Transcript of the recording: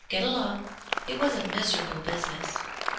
get along! It was a miserable business.